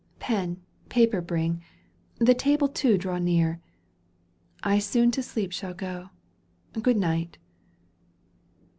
Pen, paper bring : the table too Draw near. I soon to sleep shall go — Good night."